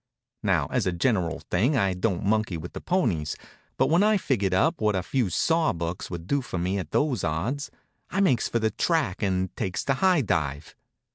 Now as a general thing I don't monkey with the ponies, but when I figured up what a few saw bucks would do for me at those odds, I makes for the track and takes the high dive.